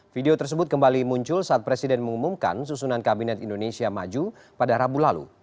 video tersebut kembali muncul saat presiden mengumumkan susunan kabinet indonesia maju pada rabu lalu